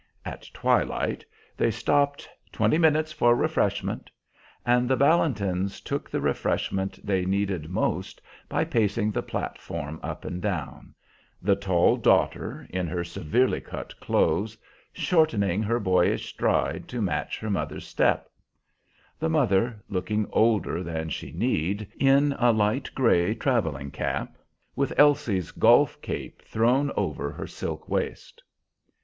At twilight they stopped "twenty minutes for refreshment," and the Valentins took the refreshment they needed most by pacing the platform up and down, the tall daughter, in her severely cut clothes, shortening her boyish stride to match her mother's step; the mother, looking older than she need, in a light gray traveling cap, with Elsie's golf cape thrown over her silk waist.